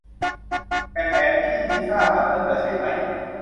แต่แผนที่นี้สร้างมาเพื่อเธอ ใช่มั้ย